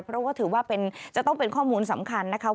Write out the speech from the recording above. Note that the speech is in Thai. เพราะว่าถือว่าจะต้องเป็นข้อมูลสำคัญนะคะ